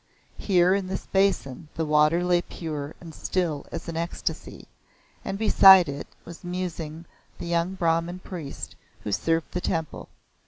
Here in this basin the water lay pure and still as an ecstasy, and beside it was musing the young Brahman priest who served the temple.